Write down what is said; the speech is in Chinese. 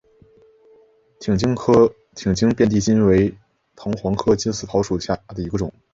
挺茎遍地金为藤黄科金丝桃属下的一个种。